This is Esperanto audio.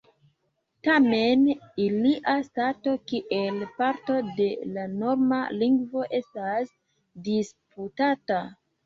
Tamen ilia stato kiel parto de la norma lingvo estas disputata.